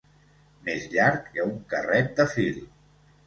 Més llarg que un carret de fil.